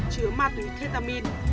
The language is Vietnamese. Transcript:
chứa ma túy ketamin